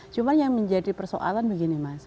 cuma yang menjadi persoalan begini mas